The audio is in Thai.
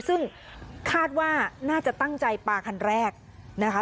ซึ่งคาดว่าน่าจะตั้งใจปลาคันแรกนะคะ